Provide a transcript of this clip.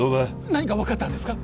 何か分かったんですか？